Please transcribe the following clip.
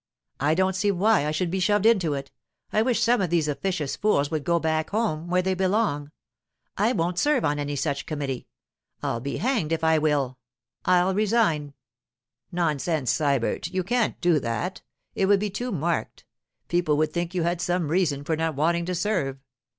'I don't see why I should be shoved into it—I wish some of these officious fools would go back home, where they belong. I won't serve on any such committee; I'll be hanged if I will! I'll resign.' 'Nonsense, Sybert; you can't do that. It would be too marked. People would think you had some reason for not wanting to serve.